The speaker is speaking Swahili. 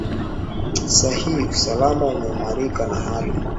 saa hii usalama umeimarika na hali